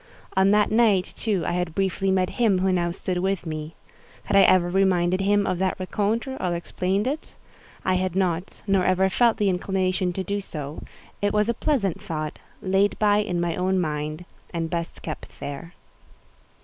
On that night, too, I had briefly met him who now stood with me. Had I ever reminded him of that rencontre, or explained it? I had not, nor ever felt the inclination to do so: it was a pleasant thought, laid by in my own mind, and best kept there.